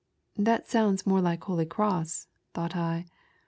" That sounds more like Holy Cross," thought I.